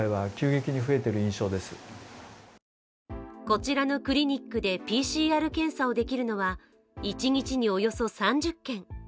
こちらのクリニックでＰＣＲ検査をできるのは一日におよそ３０件。